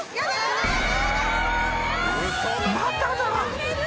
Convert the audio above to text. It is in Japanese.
まただ！